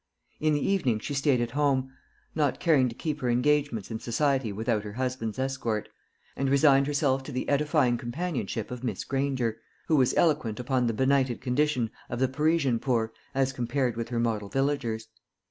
In the evening she stayed at home not caring to keep her engagements in society without her husband's escort and resigned herself to the edifying companionship of Miss Granger, who was eloquent upon the benighted condition of the Parisian poor as compared with her model villagers.